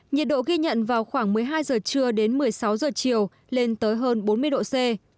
nhiệt độ ghi nhận vào khoảng một mươi hai giờ trưa đến một mươi sáu giờ chiều lên tới hơn bốn mươi độ c